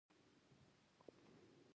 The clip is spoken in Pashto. کچالو او بنجانو په زرعت کې ډیر نسلونه لرو